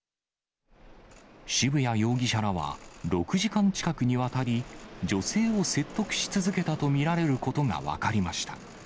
渋谷容疑者らは６時間近くにわたり、女性を説得し続けたと見られることが分かりました。